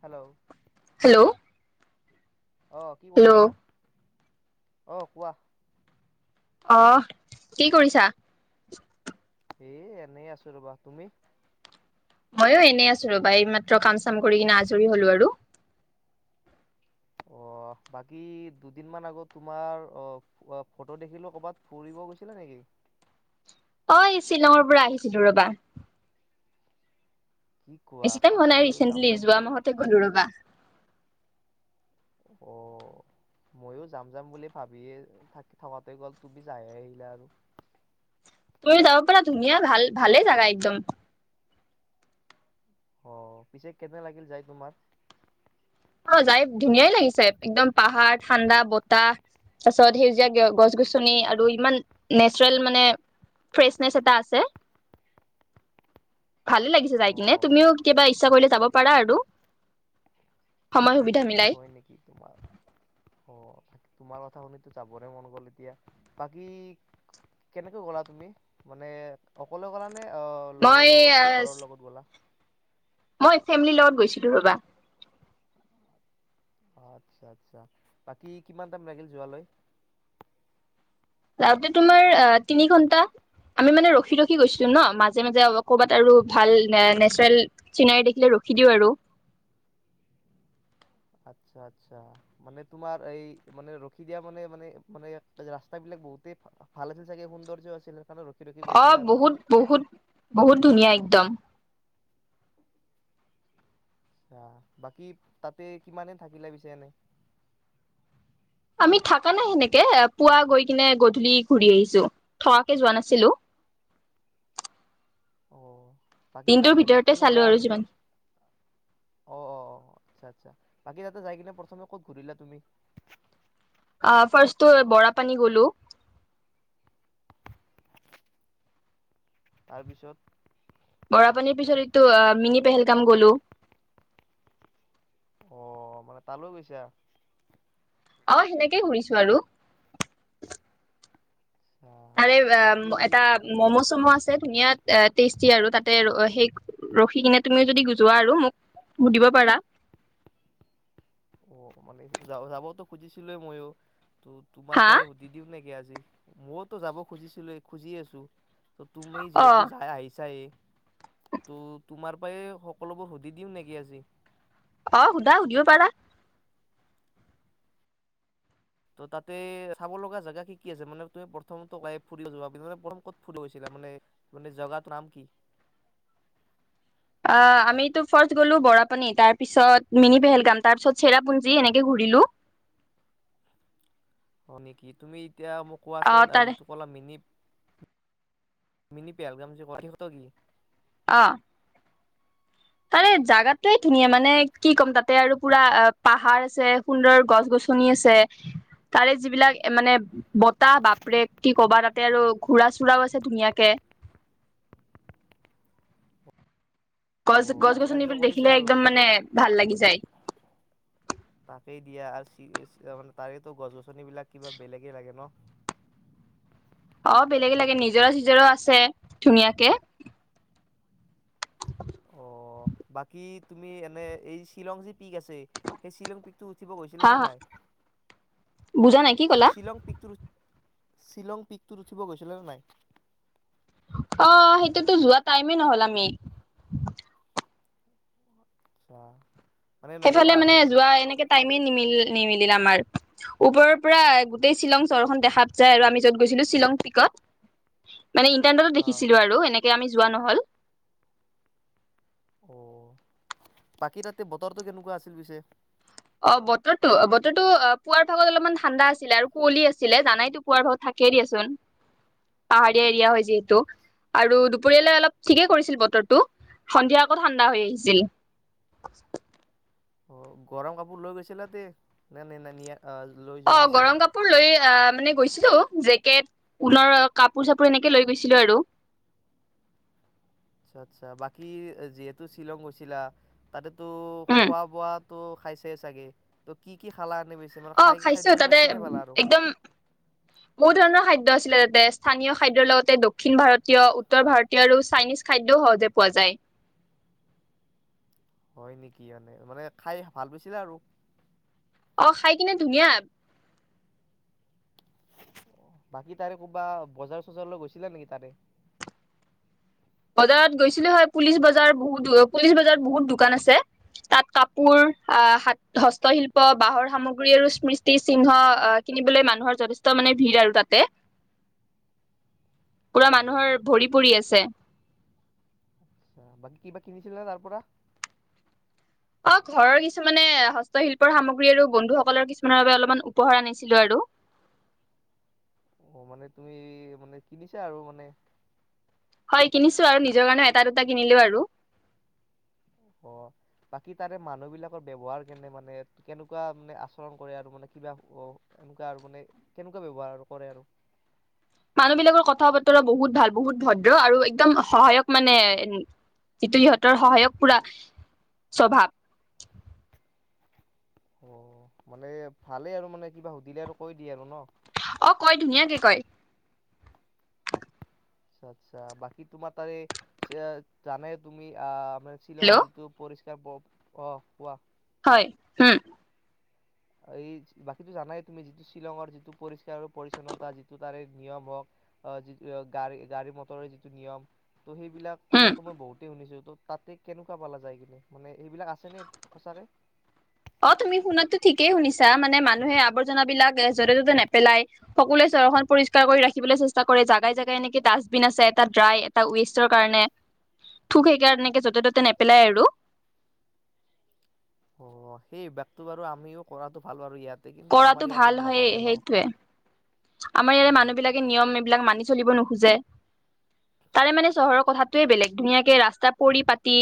Hello hello আহ কি কৰি হেল্ল' আছা অ কোৱা অহ কি কৰিছা এ এনেই আছো ৰবা তুমি ময়ো এনেই আছো ৰবা এই মাত্ৰ কাম চাম কৰি কিনে আজৰি হলো আৰু অ বাকী দুদিনমান আগত তোমাৰ অ ফটো দেখিলো কৰবাত ফুৰিব গৈছিলে নেকি? অ শ্বিলঙৰ পৰা আহিছিলো ৰবা। কি কোৱা বেছি টাইম হোৱা নাই ময়ো যাম ৰিচেণ্টলি যাম যোৱা বুলি মাহতে গলো ৰবা। অ ময়ো যাম যাম বুলি ভাবিয়ে থাকোতে গ'ল তুমি যাইে আহিলা আৰু তুমি যাব পাৰা ধুনীয়া ভাল ভালে জাগা একদম। অ পিছে কেনে লাগিল যায় তোমাৰ? অ যাই ধুনীয়াই লাগিছে একদম পাহাৰ ঠাণ্ডা বতাহ তাৰ পাছত সেউজীয়া গছ গছনি আৰু ইমান নেচৰেল মানে ফ্ৰেচনেচ এটা আছে। ভালে লাগি যাই অ কিনে তুমি কিবা ইচ্ছা কৰিলে চাব পৰা আৰু সময় সুবিধ হয় নেকি তোমাৰ অ তোমাৰ কথা শুনো যাবৰে মন গ'ল এতিয়া বাকী কেনেকৈ গ'লা তুমি মানে অকলে গ'লা মানে অ মই লগৰ লগত নে ঘৰৰ লগত গ'লা মই ফেমিলিৰ লগত গৈছিলো ৰবা। আচ্ছা আচ্ছা বাকী কিমান টাইম লাগিল যোৱালৈ? যাওঁতে তোমাৰ তিনি ঘন্টা আমি মানে ৰখি ৰখি গৈছিলো ন মাজে মাজে ক'বাত আৰু ভাল নেচাৰেল চিনাৰী দেখিলে ৰখি দিওঁ আৰু আচ্ছা আচ্ছা মানে তোমাৰ এই মানে ৰখি দিয়া মানে মানে মানে ৰাস্তা বিলাক বহুতে ভাল আছিল চাগে সৌন্দৰ্য্য আছিল সেইকাৰণে ৰখি ৰখি অ গৈছিলা আৰু বহুত বহুত বহুত ধুনীয়া একদম বাকী তাতে কিমানে থাকিলে পিছে এনে? আমি থাকা নাই সেনেকে পুৱা গৈ কিনে গধূলি ঘুৰি আহিছো থাবাকে যোৱা নাছিলো। অ বাকী দিনটোৰ তাতে ভিতৰতে প্ৰথমে চালো আৰু যাই যিমান তুম অ অ আচ্ছা আচ্ছা বাকী তাতে যাই কিনে প্ৰথমে ক'ত ঘূৰিলা তুমি? আহ ফাৰ্ষ্টো বৰা পানী গলো তাৰপিছত ৰা পানীৰ পিছত এইটো মিঙি পেহেলগাম গলো। অ মানে তালৈ গৈছাঁ। অ সেনেকেই ঘূৰিছো আৰু আচ্ছা তাৰে বাকী এটা ম'ম' চম' আছে ধুনীয়া টেষ্টি আৰু তাতে সেই ৰখি কিনে তুমি যদি গু যোৱা আৰু মোক সুধিব পাৰা। অ মানে য যাবওতো খুজিছিলো মইও ত তোমাৰ হা পৰাই সুধি দিও নেকি আজি মইতো যাব খুজিছিলো খুজি আছো ত তুমি অ যিহেতু যাই আহিছাই ত' তোমাৰ পৰা সকলোবোৰ সুধি দিওঁ নেকি আজি? আহ সুধা সুধিব পাৰা। ত' তাতে চাব লগা জেগা কি কি আছে মানে তুমি প্ৰথমত ফুৰিও যাব প্ৰথম ক'ত ফুৰিব গৈছিলা মানে মানে জেগাটোৰ নাম কি? অ আমিতো ফাৰ্ষ্ট গ'লো বৰাপানি তাৰ পিছত মিনি পেহেলগাম তাৰ পিছত চেৰাপুঞ্জী এনেকে ঘুৰিলো হয় নেকি তুমি এতিয়া মোক কোৱাচোন তাৰে যিটো কলা মিনি মিনি পেহেলগাম যে ক হত কি অ তাৰে জাগাতয়ে ধুনীয়া মানে কি ক'ম তাতে আৰু পুৰা পাহাৰ আছে সুন্দৰ গছ গছনি আছে তাৰে যিবিলাক মানে বতাহ বাপৰেক কি কবা তাতে আৰু ঘোৰা চুৰাও আছে ধুনীয়াকে অ' গছ গছ এনজয় গছনিবোৰ কৰিছা দেখিলে আৰু একদম মানে ভাল লাগি যায় সেই দিয়া আৰু তাৰেতো গছ গছনিবিলাক কিবা বেলেগেই লাগে ন অ বেলেগে লাগে নিজৰা চিজৰা আছে ধুনীয়াকে অ বাকী তুমি এনে এই শ্বিলং যি পিক আছে সেই শ্বিলং পিক উঠিব গৈছিলে হা নে হা নাই বুজা নাই কি ক'লা শ্বিলং পিকটো শ্বিলং পিকটোত উঠিব গৈছিলে নাই অ সেইটোতো যোৱা টাইমেই নহল আমি ছা সেইফালে মানে যোৱা এনেকে টাইমে নিমিল নিমিলিল আমাৰ ওপৰৰ পুৰা গোটেই শ্বিলং চহৰখন দেখাত যাই আৰু আমি য'ত গৈছিলো শ্বিলং টিকত মানে ইণ্টনেটত অ দেখিছিলো আৰু এনেকে আমি যোৱা নহল অ বাকী তাতে বতৰটো কেনেকুৱা আছিল পিছে অ বতৰতো বতৰতো অ পুৱাৰ ভাগত অলপমান ঠাণ্ডা আছিলে আৰু কুঁৱলি আছিলে জানাইতো পুৱাৰ ভাগত থাকেই দিয়াচোন পাহাৰীয়া দিয়া হয় যিহেতু আৰু দুপৰিয়ালে অলপ ঠিকেই কৰিছিল বতৰটো সন্ধিয়া আকৌ ঠাণ্ডা হৈ আহিছিল অ গৰম কাপোৰ লৈ গৈছিলা নে নাই নিয়া লৈ অ যোৱা নাছিলা গৰম কাপোৰ লৈ আহ মানে গৈছিলো জেক জাকেট ঊলৰ কাপোৰ চাপোৰ এনেকে লৈ গৈছিলো আৰু আচ্ছা আচ্ছা বাকী যিহেতু শ্বিলং গৈছিলা তাতে তো উম খোৱা বোৱাত টো খাইছে চাগে ত কি কি খালা এনে পিছে মানে অ খাই খাইছো খাদ্যবিলাক তাতে কেনে পালা আৰু একদম বহুত ধৰণৰ খাদ্য খাদ্য আছিলে যাতে স্থানীয় খাদ্যৰ লগতে দক্ষিণ ভাৰতীয় উত্তৰ ভাৰতীয় আৰু চাইনিজ খাদ্যও সহজে পোৱা যায় হয় নেকি এনে মানে খাই ভাল পাইছিলে আৰু অ খাই কিনে ধুনীয়া বাকী তাৰে ক'বা বজাৰ চজাৰলৈ গৈছিলা নেকি তাৰে বজাৰত গৈছিলো হয় পুলিচ বজাৰ বহুত পুলিচ বজাৰত বহুত দোকান আছে তাত কাপোৰ আহ হস্তশিল্প বাহৰ সামগ্ৰী আৰু স্মৃতি সিহ্ন আহ কিনিবলৈ মানুহৰ যথেষ্ট মানে ভিৰ আৰু তাতে অ পুৰা মানুহৰ ভৰি পৰি আছে আচ্ছা বাকী কিবা কিনিছিলা তাৰ পৰা অ ঘৰৰ কিছুমানে হস্তশিল্পৰ সামগ্ৰী আৰু বন্ধুসকলৰ কিছুমানৰ বাবে অলপমান উপহাৰ আনিছিলো আৰু অ মানে তুমি মানে কিনিছা আৰু মানে হয় কিনিছো আৰু নিজৰ কাৰণেও এটা দুটা কিনিলো আৰু অ বাকী তাৰে মানুহ বিলাকৰ ব্যৱহাৰ কেনে মানে কেনেকুৱা মানে আচৰণ কৰে আৰু মানে কিবা এনেকুৱা আৰু মানে কেনেকুৱা ব্যবহাৰ কৰে আৰু মানুহবিলাকৰ কথা বতৰা বহুত ভাল বহুত ভদ্ৰ আৰু একদম সহায়ক মানে যিটো সিহঁতৰ সহায়ক পুৰা স্বভাৱ অ মানে ভালেই আৰু মানে কিবা সুধিলে আৰু কৈ দিয়ে আৰু ন অ কয় ধুনীয়াকে কয় আচ্ছা আচ্ছা বাকী তোমাৰ তাৰে জানে তুমি আ মানে শ্বিলঙৰ হেল্ল' যিটো পৰি অ কোৱা হয় হুম এই বাকীটো জানাই তুমি, যিটো শ্বিলঙৰ যিটো পৰিষ্কাৰ পৰিচ্ছন্নতা যিটো তাৰে নিয়ম হওক যিটো গাড়ী গাড়ী মটৰ যিটো নিয়ম। ত' সেইবিলাক উম কথাটো মই বহুতে শুনিছো, তো তাতে কেনেকুৱা পালা যায় কিনে মানে এইবিলাক আছে নে? সঁচাকে অ তুমি শুনাতো ঠিকেই শুনিছা মানে মানুহে আৱৰ্জনাবিলাক য'তে ত'তে নেপেলাই সকলোৱে চহৰখন পৰিসকাৰ কৰি ৰাখিবলৈ চেষ্টা কৰে। জাগাই জাগাই এনেকে ডাষ্টবিন আছে এটা ড্ৰাই এটা ৱেষ্টৰ কাৰণে থোক সেইকাৰকে য'তে ত'তে নেপেলাই আৰু অ, সেই অভ্যাস টো বাৰু আমিও কৰাটো ভাল বাৰু ইয়াত। কৰাতো ভাল হয়। সেইটোৱে, আমাৰ ইয়াতে উম মানুহ বিলাকে নিয়ম এইবিলাক মানি চলিব নোখোজে। তাৰে মানে চহৰৰ কথাটোয়ে তাক বেলেগ ধুনীয়াকে ৰাস্তা ত পৰি পাতি।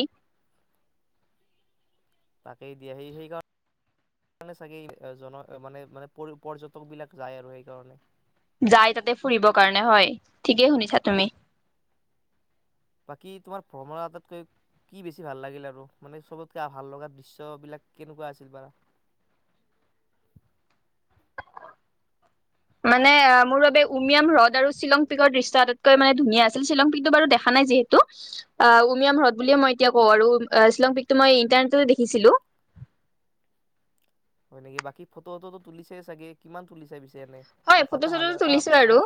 তাকেই দিয়া। সেই সেইকাৰণে চাগে জন মানে মানে পৰ্যটক বিলাক যায় আৰু সেইকাৰণে। যাই তাতে ফুৰিবৰ কাৰণে হয়, ঠিকেই শুনিছা তুমি। বাকী তোমাৰ ভ্ৰমণৰ আটতকৈ কি বেছি ভাল লাগিল আৰু মানে চবতকে ভাল লগা দৃশ্যবিলাক কেনেকুৱা আছিল বাৰা মানে মোৰ বাবে উমিয়াম হ্ৰদ আৰু শ্বিলং পিকৰ দৃশ্য আটাইতকৈ মানে ধুনীয়া আছিল শ্বিলং পিকটো বাৰু দেখা নাই যিহেতু, উমিয়াম হ্ৰদ বুলিয়ে মই এতিয়া কওঁ আৰু শ্বিলং পিকটো মই ইন্টাৰনেটতে দেখিছিলো। হয় নেকি, বাকী ফটো ফটো তুলিছে চাগে কিমান তুলিছা পিছে। ন হয় ফটো এসটা চটো হাজাৰ তুলিছো আৰু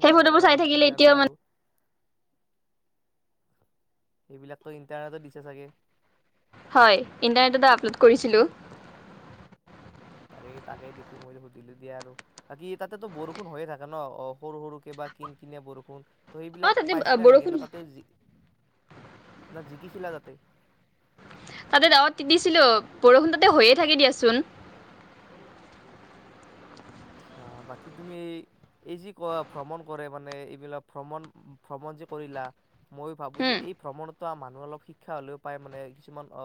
সেই ফটোবোৰ চাই থাকিলে তোলা নাই এতিয়াও আৰু মানে এইবিলাকতো ইণ্টাৰনেটত দিছে চাগে। হয় ইণ্টাৰনেট আপলোড কৰিছিলোঁ। তাকেই দেখি মই সুধিলো দিয়া আৰু বাকী তাতেতো বৰষুণ হৈয়ে থাকে ন? অ, সৰু সৰু কে বা কিন কিনিয়া বৰষুণ। ত' অ সেইবিলাক তাতে আ, পাইছিলা নেকি? বৰষুণ ন তাতে ন জিকিছিলা তাতে। তাতে দাৱত তিতিছিলো বৰষুণ তাতে হৈয়ে থাকে দিয়াচোন। আ, বাকী তুমি এই এই যি ক ভ্ৰমণ কৰে মানে এইবিলাক ভ্ৰমণ ভ্ৰমণ যে কৰিলা। মই ভাবো যে উম এই ভ্ৰমণ মানুহ অলপ শিক্ষা হ'লেও পায় মানে কিছুমান অ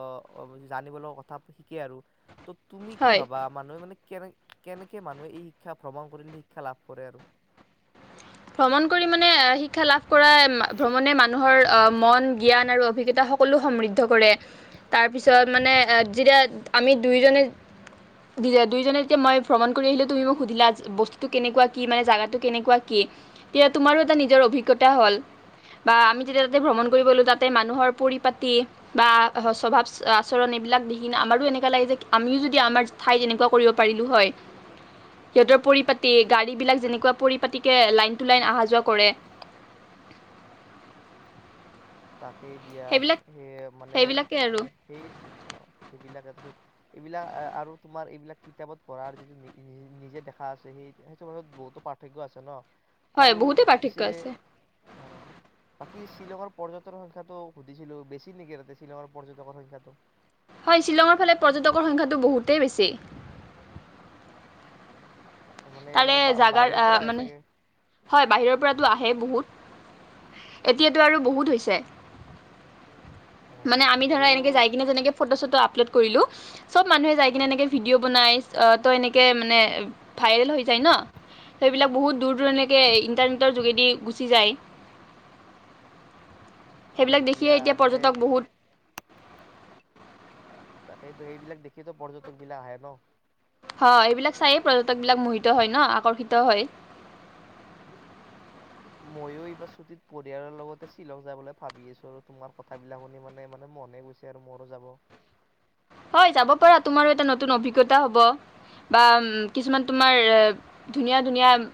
জানিব লগা কথা শিকে আৰু। তুমি কি হয় ভাবা মানুহে মানে কেনে কেনেকে মানুহ এই শিক্ষা ভ্ৰমণ কৰিলে শিক্ষা লাভ কৰে আৰু। ভ্ৰমণ কৰি মানে শিক্ষা লাভ কৰা ভ্ৰমণে মানুহৰ মন জ্ঞান আৰু অভিজ্ঞতা সকলো সমৃদ্ধ কৰে। তাৰপিছত মানে যেতিয়া আমি দুইজনে দুইজনে যেতিয়া মই ভ্ৰমণ কৰি আহিলে তুমি মোক সুধিলা বস্তুটো কেনেকুৱা কি মানে জাগাটো কেনেকুৱা। তেতিয়া তুমাৰো এটা নিজৰ অভিজ্ঞতা হল। বা আমি যেতিয়া তাতে ভ্ৰমণ কৰিব ললো তাতে মানুহৰ পৰিপাতি বা স্বভাৱ আচৰণ এইবিলাক দেখি আমাৰো এনেকুৱা লাগে যে আমিও যদি আমাৰ ঠাই যেনেকুৱা কৰিব পাৰিলো হয়। সিহঁতৰ পৰিপাতি গাড়ী বিলাক যেনেকুৱা। পাতিকে লাইন টু লাইন অহা যোৱা কৰে। তাকেই দিয়া, সেইবিলাক সেই মানে সেইবিলাকেই আৰু সেইটো অ সেইবিলাক এটা চত এইবিলাক আৰু তোমাৰ এইবিলাক কিতাপত পঢ়াৰ যিটো নিজে দেখা আছে সেই সেইটোত বহুতো পাৰ্থক্য আছে ন। হয় আৰু বহুতে পাৰ্থক্য পিছে আছে। অ, বাকী শিলঙৰ পৰ্যটনৰ সংখ্যাটো সুধিছিলো। বেছি নেকি তাতে শ্বিলঙৰ পৰ্যটকৰ সংখ্যাটো। হয়, শ্বিলঙৰ ফালে পৰ্যটকৰ সংখ্যাটো বহুতেই বেছি। মানে তাৰে মানে জাগাৰ বাহিৰৰ আহ, পৰা আহে মানে চাগে। হয় বাহিৰৰ পৰাতো আহে বহুত। এতিয়াতটো আৰু বহুত হৈছে। অ মানে আমি ধৰা এনেকে ময়ো যাই কিনে যেনেকে ফটো চটো আপ আপলোড কৰিলোঁ। চব মানুহে যাই অ কিনে এনেকে ভিডিঅ' বনাই আহ তই এনেকে- কে মানে ভাইৰেল হৈ যায় ন সেইবিলাক বহুত দূৰ দূৰনি। ইন্টাৰনেটৰ যোগেদি গুচি যায়। হয় সেইবিলাক দেখিয়ে দিয়া এতিয়া মানে পৰ্যটক বহুত। তাকেইতো সেইবিলাক দেখিটো পৰ্যটক বিলাক আহে ন। অ এইবিলাক চায়েই পৰ্যটক বিলাক মোহিত হয় ন আকৰ্ষিত হয়। ময়ো এইবাৰ ছুটিত পৰিয়ালৰ লগতে শ্বিলং যাবলৈ ভাবি আছো আৰু তোমাৰ কথাবিলাক শুনি মানে মানে মনে গৈছে আৰু মৰো যাব। হয় যাব পৰা তোমাৰো এটা নতুন অভিজ্ঞতা হ'ব বা কিছুমান তোমাৰ ধুনীয়া ধুনীয়া-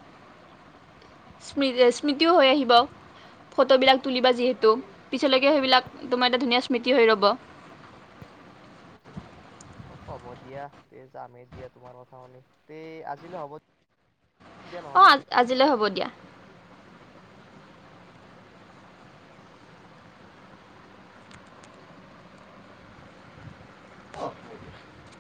স্মৃ স্মৃতিও হৈ আহিব ফটোবিলাক তুলিবা যিহেতু পিছলৈকে সেইবিলাক তোমাৰ এটা ধুনীয়া স্মৃতি হৈ ৰব। অ হ'ব দিয়া তে যামেই দিয়া তোমাৰ কথা শুনি তে আজিলৈ হ'ব। দিয়া অ নহ'লে আজিলে হ'ব দিয়া। [unintelligible]